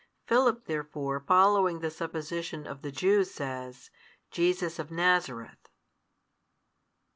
Philip therefore following the supposition of the Jews says, Jesus of Nazareth.